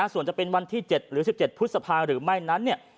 ส่วนจะเป็นวันที่๗หรือ๑๗พฤษภาหรือไม่นั้น